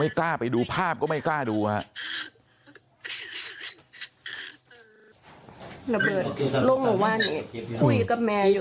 ไม่ก็ไปดูภาพต์ก็ไม่กล้าดูอะ